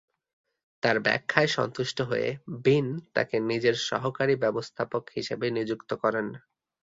তার ব্যাখ্যায় সন্তুষ্ট হয়ে বিন তাকে নিজের সহকারী ব্যবস্থাপক হিসেবে নিযুক্ত করেন।